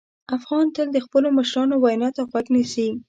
افغان تل د خپلو مشرانو وینا ته غوږ نیسي.